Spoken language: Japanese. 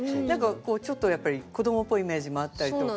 ちょっとやっぱり子供っぽいイメージもあったりとか。